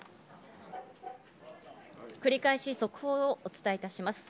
繰り返し、速報をお伝えします。